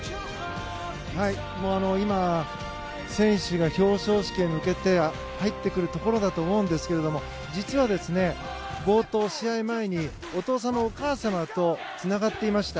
今、選手が表彰式へ向けて入ってくるところだと思うんですが実は冒頭、試合前にお父様、お母様とつながっていました。